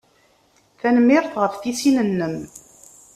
Tanemmirt ɣef tisin-nnem.